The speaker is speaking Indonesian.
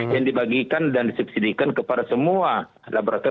yang dibagikan dan disubsidikan kepada semua laborator